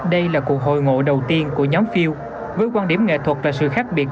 đây là cuộc hội ngộ đầu tiên của nhóm fil với quan điểm nghệ thuật và sự khác biệt